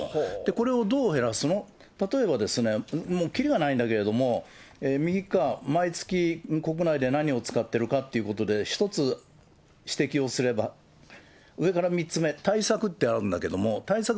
これをどう減らすの、例えば、もうきりがないんだけれども、右側、毎月国内で何を使っているかということで、１つ指摘をすれば、上から３つ目、対策ってあるんだけれども、対策